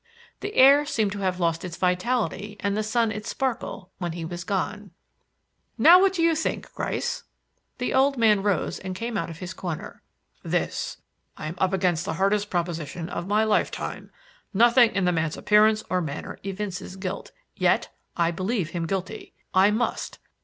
The air seemed to have lost its vitality and the sun its sparkle when he was gone. "Now, what do you think, Gryce?" The old man rose and came out of his corner. "This: that I'm up against the hardest proposition of my lifetime. Nothing in the man's appearance or manner evinces guilt, yet I believe him guilty. I must.